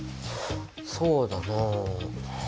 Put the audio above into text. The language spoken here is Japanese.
そうだな。